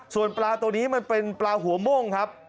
ส่วนปลาตัวนี้มันเป็นปลาหัวม่วงครับ